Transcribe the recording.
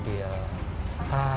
aduh istirahat sebentar